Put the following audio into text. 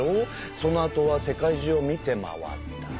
そのあとは世界じゅうを見て回ったね。